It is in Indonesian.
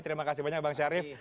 terima kasih banyak bang syarif